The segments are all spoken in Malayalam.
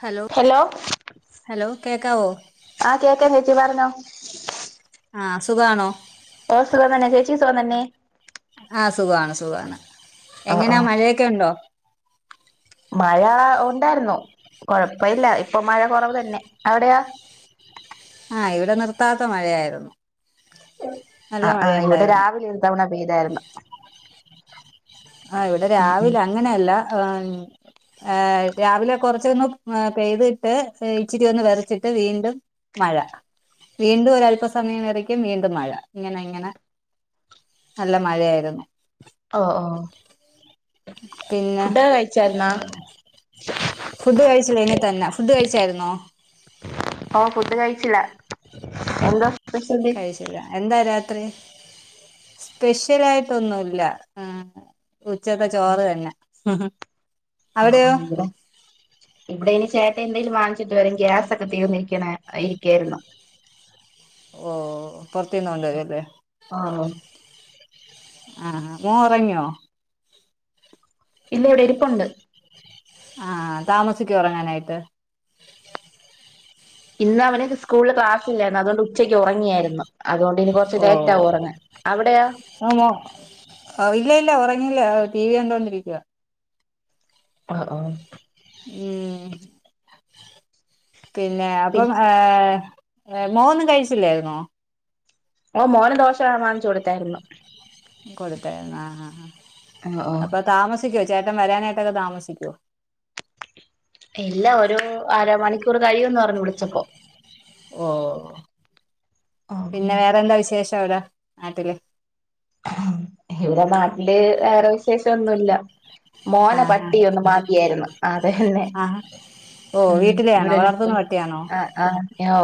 ഹലോ ഹലോ കേക്കാവോ? ആഹ് കേക്കാം ചേച്ചി പർഞ്ഞോ. ആഹ് സുഖാണോ? ഓഹ് സുഖം തന്നെ ചേച്ചിക്ക് സുഖം തന്നെ ആഹ് സുഖാണ് സുഖാണ് ഓ എങ്ങനാ ഓഹ് മഴയെക്കെ ഉണ്ടോ? മഴാ ഉണ്ടാർന്നു കൊഴപ്പയില്ല ഇപ്പൊ മഴ കൊറവ് തന്നെ. അവടെയാ? ആഹ് ഇവടെ നിർത്താത്ത മഴയായി ര്ന്നു. ആഹ് ആഹ് ഇവടെ രാവിലെ ഒരു തവണ പെയ്താര്ന്നു. ആഹ് ഇവടെ ഉം രാവിലെ അങ്ങനെല്ല ആം. ഏഹ് രാവിലെ കൊർച്ചൊന്ന് ഏഹ് പെയ്തിട്ട് എഹ് ഇച്ചിര്യൊന്ന് വരച്ചിട്ട് വീണ്ടും മഴ വീണ്ടും ഒരല്പസമയം വെരക്കും വീണ്ടും മഴ ഇങ്ങനെ ഇങ്ങനെ നല്ല മഴയായിര്ന്നു. ഓഹ് ഓഹ് പിന്നെ കഴിച്ചായിരുന്നാ [unintelligible] ഫുഡ് കഴിച്ച് കഴിഞ്ഞ്ട്ടെന്നാ ഫുഡ് കഴിച്ചായിര്ന്നോ? ആഹ് ഫുഡ് കഴിച്ചില്ല. എന്താ സ്പെഷ്യൽ ബി ഇല്ല എന്താ രാത്രി സ്പെഷ്യലായിട്ടൊന്നുല്ല. ഉച്ചത്തെച്ചോറ് തന്നെ. ഓഹ് അവിടെയോ ഓഹ് ഇവിടെ ഇവിടെ ഇനിചേട്ട എന്തെങ്കിലും വാങ്ങിച്ചിട്ട് വരും ഗ്യാസൊക്കെ തീർന്നിരിക്കണ ഇരിക്കായിരുന്നു. ഓ ഹ്പുറത്തീന്ന് കൊണ്ടുവരല്ലേ. ആ ആ മോൻഉറങ്ങിയോ. ഇല്ല ഇവിടെ ഇരിപ്പോണ്ട്. ആഹ് താമസിക്കോ ഉറങ്ങാനായിട്ട്. ഇന്ന്അവന് സ്കൂളിൽ ക്ലാസ്സില്ലായിരുന്നു അതുകൊണ്ട് ഉച്ചയ്ക്ക് ഉറങ്ങിയായിരുന്നു. അതുകൊണ്ട് ഇനി കൊറച്ച് ഓ ലൈറ്റ്ആകും ഉറങ്ങൻ അവിടെയോ. [unintelligible] ഉറങ്ങില്ല ടി വി കണ്ടോണ്ടിരിക്കുവ. ആഹ് ആഹ് ഉഠ പിന്നെ പി അപ്പോ ഏഹ് മോന്നും കഴിച്ചില്ലേയിന്നോ. ഓ മോന ദോഷ വാങ്ങിചോടുത്തായിരുന്നു. കൊടുത്തായിരുന്നു ആഹ്. ഓഹോ താമസിക്കോ ചേട്ടൻ വരാനായിട്ടൊക്കെ താമസിക്കോ ഇല്ല ഒരു അര മണിക്കൂർ കഴിയും പറഞ്ഞു വിളിച്ചപ്പോ. ഓ ഹ്പിന്നെ വേറെന്താ വിശേഷം അവിടെ നാട്ടില്. ഇവിടെ നാട്ടില് വേറെ വിശേഷം ഒന്നു ഇല്ല. മോന ആ ആ പട്ടി ഒന്ന് മാന്തിയായിരുന്നു അതന്നെ. ആഹ് ഓ വീട്ടിലെയാണോ ഉ. വളർത്തുന്ന പട്ടിയാണോ ആഹ് ആഹ്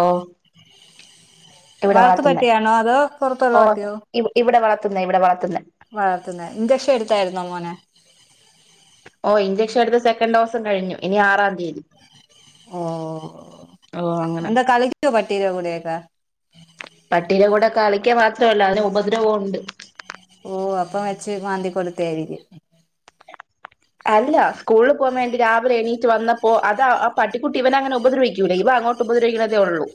ഇവിടെ വളർത്തു പട്ടിയാണോ അതോ പുറത്തുള്ള പട്ടിയോ? ഇഇവിടെ വളർത്തുന്ന ഇവിടെ വളർത്തുന്ന. വളർത്തുന്ന ഇഞ്ചക്ഷൻ എടുത്തായിരുന്നോ മോനെ. ഓ ഇഞ്ചെക്ഷൻ എടുത്ത് സെക്കൻഡ് ഡോസും കഴിഞ്ഞു ഇനി ആറാം തീയതി. ഓഹ് ഓ അങ്ങനെ എന്താ കളിച്ചിട്ട് പട്ടിയുടെകൂടെയക്കെ. പട്ടിയുടെകൂടെ കളിക്ക മാത്രമല്ല അതിന് ഉപദ്രവം ഉണ്ട്. ഓഹ് അപ്പം വെച്ച് മാന്തി കൊടുത്തആയിരിക്കും. അല്ല സ്കൂളിൽ പോകാൻ വേണ്ടി രാവിലെ എണീറ്റ് വന്ന അപ്പോ അത് ആ പട്ടിക്കുട്ടി ഇവന അങ്ങനെ ഉദ്രവിക്കൂല ഇവൻ അങ്ങോട്ട് ഉദ്രവിക്കുന്നതേ ഉള്ളൂ.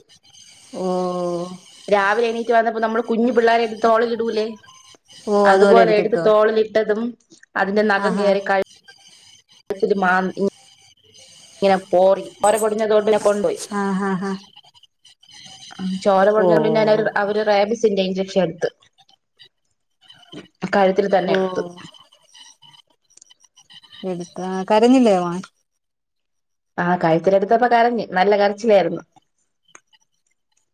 ഓഹ് രാവിലെ എണീറ്റ് വന്നപ്പോ നമ്മള് കുഞ്ഞു പിള്ളോരെ എടുത്ത്തോളിലിടൂലെ. ഓ അതുപോലെ എടുത്ത് എടുത്തിട്ടോ തോളിനിട്ടതും അതിന്റെ നഖം ആഹാ കയറി കഴ കഴുത്തിൽ മാന്തി. ഇങ്ങനെ പോറി ചോര പൊടിഞ്ഞതോണ്ട് ഞാൻ കൊണ്ടുപോയി. ആഹാ ഹാ ചോര ഓ പെടിഞ്ഞതോണ്ട് പിന്നെ ഞൻ അവര് റാബിസിന്റെ ഇഞ്ചക്ഷൻ ഇടുത്ത്. കഴുത്തിൽ തന്നെ ഓ എടുത്തു. എടുത്താ കരഞ്ഞില്ലേ മോൻ. ആ കൈത്തിലെടുത്തപ്പോൾ കരഞ്ഞു നല്ല കരച്ചിലായിരുന്നു.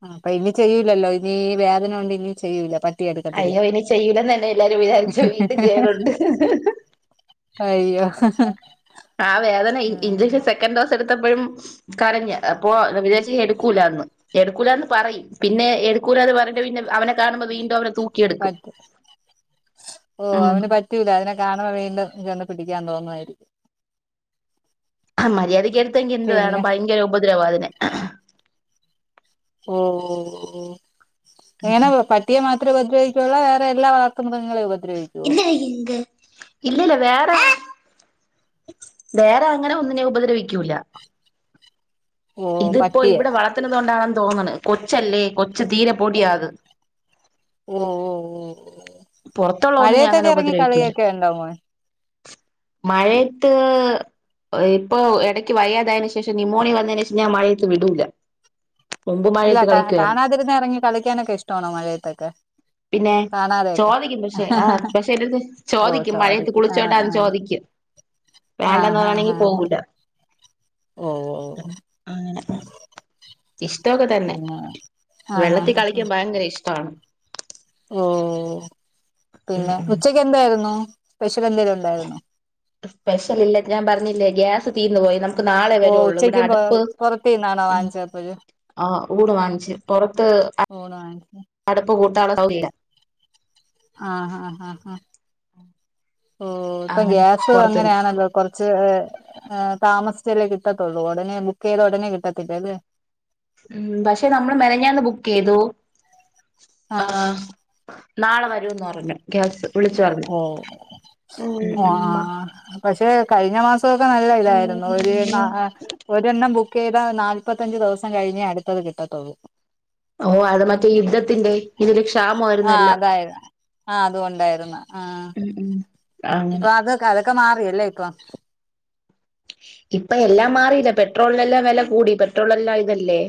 ആഹ് അപ്പ ഇനി ചെയ്യൂലല്ലോ ഇനി വേദന കൊണ്ട് ഇനി ചെയ്യൂല പ- അയ്യോ ഇനി ചെയ്യൂലന്ന് തന്നെ എല്ലാരും വിചാരിച്ചു വീണ്ടും ചെയ്യലുണ്ട് ഹ് ഹ് ഹ് അയ്യോ ഹ് ഹ് ആ വേദന ഇഞ്ചക്ഷൻ സെക്കൻഡ് ഡോസ് എടുത്തപ്പഴും കരഞ്ഞു അപ്പോ ഞ വിചാരിച് എടുക്കൂലന്ന് എടുക്കൂലാന്ന് പറയിം പിന്നെ എടുക്കുലാന്ന് പറഞ്ഞിട്ട് പിന്നെ അവനെ കാണുമ്പോ വീണ്ടും അവനെ തൂക്കി പറ്റും ഓ ഉം അവന് പ പറ്റൂല അതിനെ കാണുമ്പോ വീണ്ടും ചെന്ന് പിടിക്കാൻ തോന്നുവായിരിക്കും ആഹ് മര്യാദക്ക് എടുത്തെങ്കിൽ എന്ത് പിന്നെ വേണം ഭയങ്കര ഉപദ്രവാ അതിനെ ഓ ഓഹ് ങ്ങനെ പ - പട്ടിയെ മാത്രേ ഉപദ്രവിക്കുള്ളെ വേറെ എല്ലാ വളർത്തു മൃഗങ്ങങ്ങളെ ഉപദ്ര - എന്തെടി ൻക് ഇല്ലല്ല വേറെ വേറെ അങ്ങനെ ഒന്നിനെ ഉപദ്രവിക്കൂല്ല ഓ ഇതിപ്പോ പട്ടിയെ ഇവിടെ വളർത്തണതോ ണ്ടാണെന്ന് തോന്നണ് കൊച്ചല്ലേ കൊച്ച് തീരെ പൊടിയാത് ഓ ഓ ഓ ഓ പുറത്തുള്ള ഒന്നിനെ അങ്ങനെ മഴയത്തൊക്കെ ഇറങ്ങി ഉപദ്രവിക്കൂല കളിയൊക്കെ ഉണ്ടോ മോൻ മഴയത്ത് ഇപ്പോ ഇടക്ക് വയ്യാതായതിനു ശേഷം നുമോണിയ വന്നയിനു ശേഷം ഞാൻ മഴയത്ത് വിടൂല മുമ്പ് അല്ല മഴയത്ത് കാ കളിക്കുവായിരുന്നു കാണാതിരുന്ന ഇറങ്ങി കളിക്കാനൊക്കെ ഇഷ്ടാണോ മഴയത്തൊക്കെ പിന്നെ കാണാതെ [unintelligible] ചോദിക്കും പക്ഷെ ഹഹ ആ ഹ പക്ഷെ എന്റെടുത്ത് ഓഹ് ചോദിക്കും സോറി മഴയത്ത് ആഹ് കുളിച്ചോട്ടാന്ന് ആഹ് ചോദിക്കും വേണ്ടന്ന് ആഹ് ആഹ് ആഹ് പറയണെങ്കി ആഹ് പോവൂല ഓ ഓ ഒ അങ്ങനെ മ്മ് ഇഷ്ടോക്കെ തന്നെ പിന്നെ ആ ഹാ വെള്ളത്തിൽ ഹാ കളിക്കാൻ ഭയങ്കര ഇഷ്ടആണ് ഓഓ ഓഹ് ഉം പിന്നെ ഉം ഉച്ചക്ക് എന്തായിരുന്നു സ്പെഷ്യൽ എന്തെലും ഉണ്ടായിരുന്നോ സ്പെഷ്യൽ ഇല്ല ഞാൻ പറഞ്ഞില്ലേ ഗ്യാസ് തീർന്നു പോയി നമുക്ക് നാളെ ഓ വരുള്ളൂ ഇവിടെ ഉച്ചക്കും പൊ അടുപ്പ് പൊറത്തീന്നാണോ വാങ്ങിച്ചപ്പഴ് ആഹ് വുട് വാങ്ങിച്ചു പുറത്ത് പോ [unintelligible] അടുപ്പ് കൂട്ടാനുള്ള സൗകര്യല്ല ആഹ് ഹാ ആഹ് ഹാ ഓ ഇപ്പ അങ്ങനെ ഗ്യാസും പുറത്തുന്ന് അങ്ങനെയാണല്ലോ കുറച്ച് താമസിച്ചല്ലേ കിട്ടത്തുള്ളൂ ഉടനെ ബുക്ക് ചെയ്ത ഉടനെ കിട്ടത്തില്ല അല്ലെ ഉം പക്ഷെ നമ്മള് മെനഞ്ഞാന്ന് ബുക്ക് ചെയ്തു ആഹ് നാളെ വരൂന്ന് പറഞ്ഞു ഗ്യാസ് വിളിച്ചു പറഞ്ഞു ഓ ഓ ആഹ് പക്ഷെ കഴിഞ്ഞ മാസമൊക്കെ നല്ല ഇതായിരുന്നു ഒരു നാ ഹേ ഒരെണ്ണം ബുക്ക് ചെയ്താ നാല്പത്തഞ്ചച് ദിവസം കഴിഞ്ഞേ അടുത്തത് കിട്ടത്തുള്ളൂ ഓ അത് മറ്റേ യുദ്ധത്തിന്റെ ഇതില് ആഹ് ക്ഷാമമായിരുന്നെല്ലാം അതായിരുന്നു ആഹ് അത് കൊണ്ടായിരുന്നു ആഹ് ഉം ഇപ്പൊ അങ്ങനെ അതൊക്ക അതൊക്കെ മാറിയല്ലേ ഇപ്പൊ ഇപ്പ എല്ലാം മാറിയില്ല പെട്രോളിനെല്ലാം വെല കൂടി പെട്രോൾ എല്ലാം ഇതല്ലേ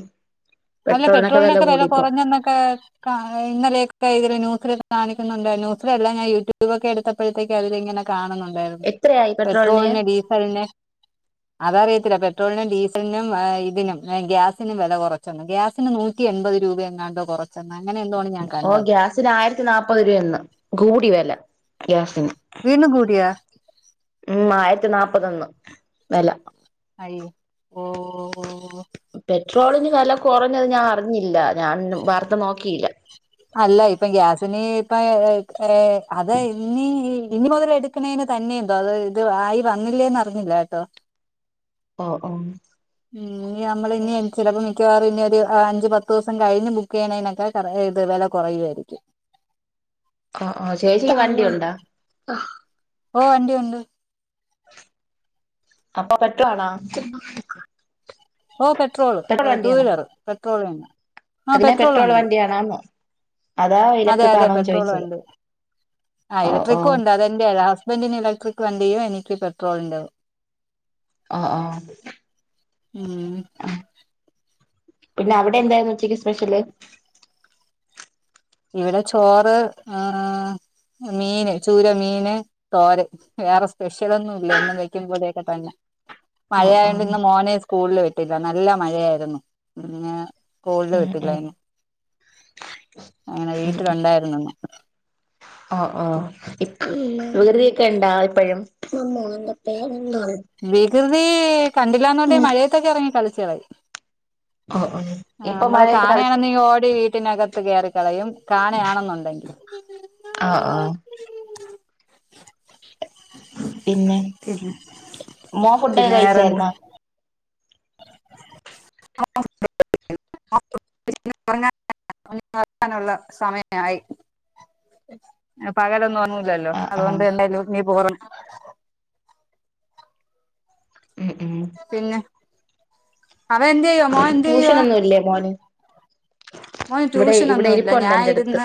അല്ല പെട്രോളിനൊക്കെ വില കുറഞ്ഞന്നൊക്കെ ഇന്നലെയൊക്കെ ഇതിൽ ന്യൂസില് കാണിക്കുന്നുണ്ടായിരുന്നു ന്യൂസിലല്ല ഞാൻ യൂട്യൂബ് ഒക്കെ എടുത്തപ്പോഴത്തേക്ക അതില് ഇങ്ങനെ കാണുന്നുണ്ടായിരുന്നു പെട്രോളിന് ഡീസലിന് അതഅറിയത്തില്ല പെട്രോളിനും ഡീസലിനും ഇതിനും ഗ്യാസിനും വെല കുറഞ്ഞു ഗ്യാസിന് നൂറ്റി എൺപത് രൂപ എങ്ങാണ്ടോ കുറച്ചന്ന് അങ്ങനെ എന്തോആണ് ഞാന് ഓഹ് ഗ്യാസിന് ആയിരത്തി നാല്പ്പത് രൂപയ ഇന്ന് കൂടി വില ഗ്യാസിന് വീണ്ടും കൂടിയാ ഉം ആയിരത്തി നാല്പ്പത്ന്ന് വില അയ്യോ ഓഹ് ഓഹ് ഓഹ് പെട്രോളിന് വില കുറഞ്ഞത് ഞാൻ അറിഞ്ഞില്ല ഞാൻ വാർത്ത നോക്കിയില്ല അല്ല ഇപ്പ ഗ്യാസിന് ഇപ്പ ഏ ഹേ അത ഇല്ലി യി ഇനി മുതൽ എടുക്ക്ണെന് തന്നെയണ്ടോ അത് ഇത് ആയി വന്നില്ലേന്ന് അറിഞ്ഞില്ല കേട്ടോ ഓഹ് ഓഹ് ഇനി ഞമ്മള് ഇനി ചിലപ്പോ മിക്കവാറും ഇനി ഒരു അഞ്ച് പത്ത് ദിവസം കഴിഞ്ഞ് ബുക്ക് ചെയ്യിണേനൊക്കെ ഏത് വെല കൊറയുായിരിക്കും ആഹ് ആഹ് ശേച്ചിയ്ക്ക് വണ്ടിയുണ്ടാ? ഓ വണ്ടിയുണ്ട് അപ്പൊ പറ്റുവാണാ ഓ പെട്രോൾ ടു വണ്ടിയാണോ വീലർ പെട്രോൾ തന്നെ ആ അതിനെ പെട്രോൾ വണ്ടി വണ്ടിയാണാേന്ന് അതെ അതെ പെട്രോളും ഉണ്ട് ആ ഓ ഓ ഇലക്ട്രിക്കും ഉണ്ട് അതെന്റെ എഴാ ഹുസ്ബന്റിന് ഇലക്ട്രിക് വണ്ടിയൂ എനിക്ക് പെട്രോളിൻ്റ ആഹ് ആഹ് ഉം ആ പിന്നെ അവിടെ എന്തായ്നു ഉച്ചക്ക് സ്പെഷ്യല് ഇവിടെ ചോറ് ആ മീന് ചൂര മീന് തോരൻ വേറെ സ്പെഷ്യലൊന്നും ഇല്ല എന്നും കഴിക്കുമ്പോലെയെക്കെത്തന്നെ ഓ ഓ മഴയായോണ്ട് ഇന്ന് മോന് സ്‌ സ്കൂളില് വെട്ടില്ല നല്ല മഴയായിരുന്നു പിന്നെ സ്കൂളില് ഉം വിട്ടില്ല ഉം ഇനി അങ്ങനെ ഉം വീട്ടിലുണ്ടായിരുന്നുന്ന് ഓ ഓ ഇപ്പ് മുദരീക്കണ്ടാ ഇപ്പഴും വികൃതി കണ്ടില്ലാന്ന്ണ്ടെ മഴയെത്തൊക്കെ ഇറങ്ങി കളിച്ച്കളയും ഓ ഓ ആ ഇപ്പൊ നമ്മള് മഴയത്ത് കളിച്ച് കാണായാണെനീ ഓടി വീട്ടിനക ത്ത് കേയറിക്കളയും കാണയാണെന്നുണ്ടെങ്കിൽ ആഹ് ആഹ് പിന്നെ പിന്നെ മോൻ ഫുഡൊക്കെ പിന്നെ വേറെന്ത് കഴിച്ചാര്ന്നാ [unintelligible] [unintelligible] സമയംയായി പകലൊന്നും ഒർങ്ങുലല്ലോ ആ ആ അതുകൊണ്ട് എന്തായാലും നീ പോറ ഉം ഉം പിന്നെ അവന്തെയ്യുവ മോൻ എന്തെയ്യുവ ല്ലേ മോന് മോന് ഇവിടെ ഇവിടെ ട്യൂഷനൊന്നുല്ല ഇരിപ്പുണ്ട് ഞാന എന്റെ അടുത്ത് ഇരുന്ന്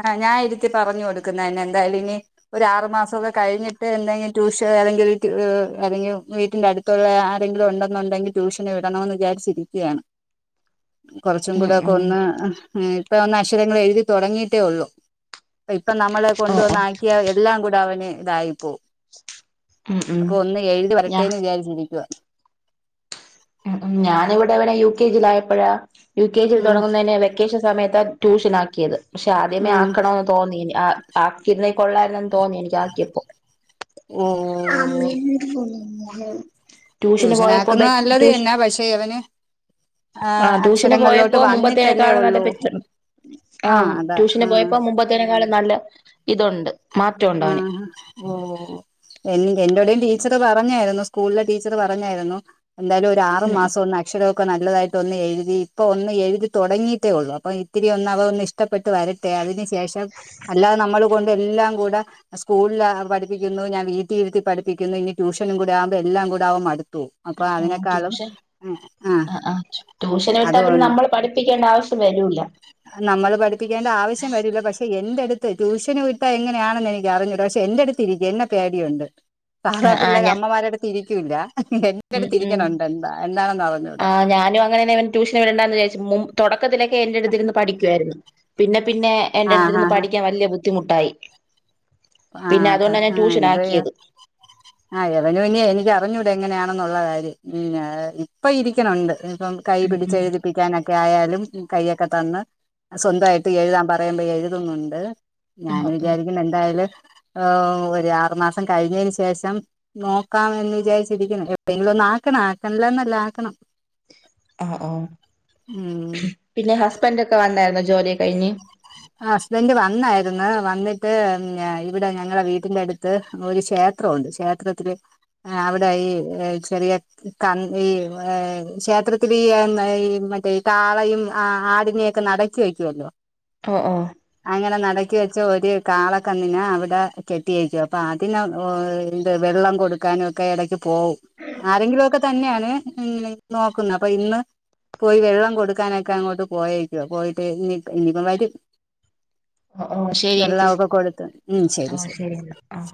ആ ഞാൻ ഇരുത്തി പറഞ്ഞു കൊടുക്കുന്നന്നെ എന്തായാലും ഇനി ഒരു ആറു മാസക്കെ കഴിഞ്ഞിട്ട് എന്തെങ്കും ടൂഷ്യോ അല്ലെങ്കി വീട്ട് അല്ലെങ്കി വീട്ടിന്റെ അടുത്ത് ത്തുള്ള ആരെങ്കിലും ഉണ്ടെന്നുണ്ടെങ്കിൽ ട്യൂഷന് വിടണോന്ന് വിചാരിച്ചിരിക്കയാണ് കുറച്ചും ഉം കൂടെ ഉം അ അ ഇപ്പൊ ഒന്ന് അശ്ശരങ്ങൾ എഴുതി തൊടങ്ങിയിട്ടേ ഉള്ളു ഇപ്പൊ നമ്മള് ഓ ഓ കൊണ്ടുവന്നാക്കിയ എല്ലാം കൂടെ അവന് ഇതായിപ്പോവും ഉം ഉം അപ്പൊ ഒന്ന് എഴ്ല് ഞാ വരട്ടേന്ന് വിചാരിച്ചിരിക്കുവാ ഉംഉം ഞാനി വിടവടെ യു കെ ജി ലായപ്പഴാ യു കെ ജി ൽ ഉം തുടങ്ങുന്നതിന് വെ ക്കേഷൻ സമയത്താ ട്യൂഷനാക്കിയത് പക്ഷെ ആദ്യമേ ഉം ആക്കണൊന്ന് തോന്നിന് അ ആക്കിര്ന്നേ കൊള്ളാരുന്നന്ന് തോന്നി ന്ക്ക് ആക്കിയപ്പോ ഓ ട്യൂഷന് പോയപ്പോ ബെറ്റ് ടൂഷ് ദേവന് ആ ട്യൂഷന് പോയപ്പോ വന്നിട്ടല്ലേ മുമ്പത്തേനക്കാളും നല്ല ഉള്ളൂ ബെറ്ററ് ആ അതാ ട്യൂഷന് ആ പോയപ്പോ മുമ്പത്തേക്കാളും നല്ല ഇതുണ്ട് മാറ്റമുണ്ട് അവന് ഉം ഓ എന്ന് എന്റോടെയും ടീച്ചറ് പറഞ്ഞായിരുന്നു സ്കൂളിലെ ടീച്ചറ് പറഞ്ഞായിരുന്നു എന്തായാലും ഒരു ആറ് ഉം മാസം ഒന്ന് അട് അക്ഷരൊക്കെ നല്ലതായിട്ട് ഒന്ന് എഴുതി ഇപ്പൊ ഒന്ന് എഴുതി തുടങ്ങയിട്ടേ ഉള്ളൂ അപ്പോം ഇത്തിരി ഒന്ന് അവ ഇഷ് ഇഷ്ടപ്പെട്ട് വരട്ടെ അതിന് ശേഷം അല്ലാതെ നമ്മൾ കൊണ്ട് എല്ലാം കൂടെ സ്കൂളില് പഠിപ്പിക്കുന്നു ഞാൻ വീട്ടി ഇരുത്തി പഠിപ്പിക്കുന്നു ഇനി ട്യൂഷനും കൂടി ആവുമ്പോൾ എല്ലാം കൂടെ അവൻ മടുത്തു പോവും ആ ട്യൂഷൻ അ ആ ട്യൂഷന് വിട്ടാൽ പിന്നെ അതുകൊണ്ട് നമ്മൾ പഠിപ്പിക്കേണ്ട ആവശ്യം വരൂല്ല നമ്മള് പഠിപ്പിക്കേണ്ട ആവശ്യം വരൂല പക്ഷെ എൻ്റെടുത്ത് ട്യൂഷന് വിട്ടാ എങ്ങനെയാണെന്ന് എനിക്ക് അറിഞ്ഞൂട പക്ഷെ എന്റെടു എന്നെ പേടിയണ്ട് ആ പാതാ ആ പിള്ളേർ ഞാ അമ്മമാരോടെ തിരിക്കല്ല ഉം ഇട്ട് ഉം തിരിക്കണുണ്ട് എന്താ എന്താണെന്ന് അറിഞ്ഞുടാ ആഹ് ഞാനും അങ്ങനെ ട്യൂഷന് വിടണ്ടന്ന് വിചാരിച്ച തുടക്കത്തിലൊക്കെ എന്റെ അടുത്തിരുന്ന് പഠിക്കുയിരുന്നു പിന്നെ പിന്നെ എന്റെ ആഹ് അടുത്തുനിന്ന് ആഹ് പഠിക്കാൻ വല്യ ബുദ്ധിമുട്ടായി പിന്നെ ആഹ് അതാ അതുകൊണ്ടാണ് ഞാൻ ട്യൂഷൻ ആക്കിയത് [inaudible] ആഹ് യവനുവിനയ എനിക്കറിഞ്ഞൂട എങ്ങനെയാണെന്നുള്ള കാര്യം ഇപ്പൊ ഇരിക്കണുണ്ട് ഇപ്പം കൈ ഉം ഉം പിടിച്ചെഴുതി പ്പിക്കാനൊക്കെ ആയാലും കൈയൊക്കെ തന്ന് സ്വന്തായിട്ട് എഴുതാൻ പറയുമ്പോ എഴുതുന്നുണ്ട്. ഞാന് ആഹ് ആഹ് വിചാരിക്കുന്നു എന്തായാലും ഒരു ആറു മാസം കഴിഞ്ഞതിന് ശേഷം നോക്കാം എന്ന് വിചാരിച്ചിരിക്കണ് എപ്പഴേങ്കിലും ഒന്നും ആക്കണം ആക്കണില്ലന്നല്ല ആക്കണം ആഹ് ഓ ഉം പിന്നെ ഹസ്ബൻഡ് ഒക്കെ വന്നായിരുന്നോ ജോലി കഴിഞ്ഞ് ഹസ്ബൻഡ് വന്നായിരുന്നു വന്നിട്ട് ഇവിടെ ഞങ്ങളുടെ വീട്ടിന്റെ അടുത്ത് ഒരു ക്ഷേത്രമുണ്ട് ക്ഷേത്രത്തിൽ അവിടെയി ചെറിയ ക ഈ ക്ഷേത്രത്തിൽ ഈ മറ്റേ കാളയും ആടിനെയൊക്കെ നടക്ക [unintelligible] ഓ ഓ അങ്ങനെ നടക്കി വെച്ച ഒര് കാളക്കന്നിനെ അവിടെ കെട്ടിയേക്കാ അപ്പൊ അതിന [unintelligible] ഇത് വെള്ളം കൊടുക്കാനൊക്കെ എടക്ക് പോവും. ആരെങ്കിലുമൊക്കെ തന്നെയാണ് നോക്കുന്നത് അപ്പൊ ഇന്ന് പോയി വെള്ളം കൊടുക്കാനൊക്കെ അങ്ങോട്ട് പോയേക്കാ പോയിട്ട് ഇനി ഇനിയിപ്പ വരും. ഓ ശെ വെള്ള ഓക്കെ കൊടുത്തു ഉം ശരി ശരി എന്നാ ആഹ്